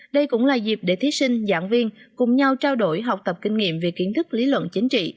đây cũng là dịp để thí sinh giảng viên cùng nhau trao đổi học tập kinh nghiệm về kiến thức lý luận chính trị